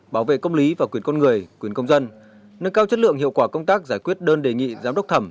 bảo vệ công lý và quyền con người quyền công dân nâng cao chất lượng hiệu quả công tác giải quyết đơn đề nghị giám đốc thẩm